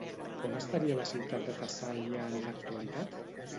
On estaria la ciutat de Tessàlia en l'actualitat?